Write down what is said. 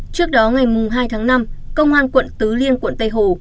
trước đó ngày hai tháng năm công an quận tứ liên quận tây hồ